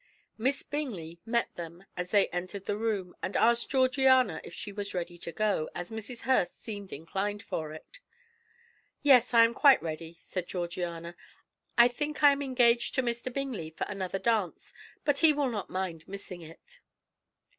Miss Bingley met them as they entered the room, and asked Georgiana if she was ready to go, as Mrs. Hurst seemed inclined for it. "Yes, I am quite ready," said Georgiana. "I think I am engaged to Mr. Bingley for another dance, but he will not mind missing it."